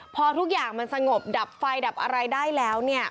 พอทุกอย่างมันสงบดับไฟดับอะไรได้แล้ว